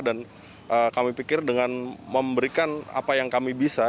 dan kami pikir dengan memberikan apa yang kami bisa